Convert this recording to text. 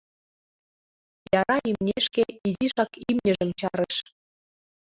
Яра имнешке изишак имньыжым чарыш.